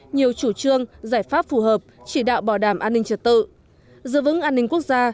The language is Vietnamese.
nhiều chủ trương giải pháp phù hợp chỉ đạo bảo đảm an ninh trật tự giữ vững an ninh quốc gia